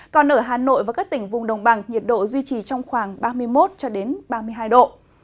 còn ở hà nội và các tỉnh vùng đồng bằng nhiệt độ duy trì trong khoảng ba mươi một ba mươi hai độ